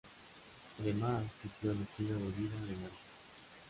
Además sigue el estilo de vida vegano.